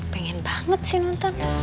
pengen banget sih nonton